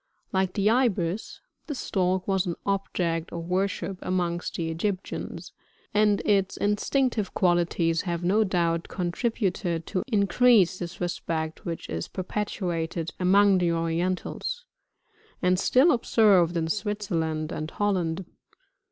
Like the Ibis, the Stork was an object of worship amongst the Egyptians; and its instinctive qualities have no doubt con tributed to increase this respect which is perpetuated among the orientals, and still observed in Switzerland and Holland.